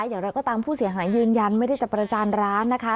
อย่างไรก็ตามผู้เสียหายยืนยันไม่ได้จะประจานร้านนะคะ